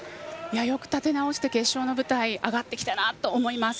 よく立て直して決勝の舞台上がってきたなと思います。